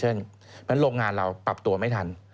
เพราะฉะนั้นโรงงานเราปรับตัวไม่ทัน